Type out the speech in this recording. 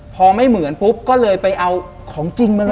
พอไม่เหมือนปุ๊บก็เลยไปเอาของจริงมาเลย